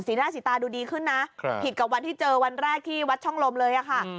หน้าสีตาดูดีขึ้นนะผิดกับวันที่เจอวันแรกที่วัดช่องลมเลยค่ะ